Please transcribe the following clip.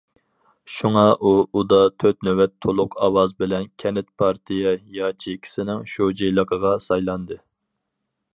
شۇڭا ئۇ ئۇدا تۆت نۆۋەت تولۇق ئاۋاز بىلەن كەنت پارتىيە ياچېيكىسىنىڭ شۇجىلىقىغا سايلاندى.